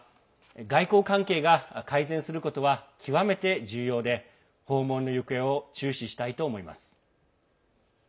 外交関係が改善することは極めて重要で訪問の行方を注視したいと思います。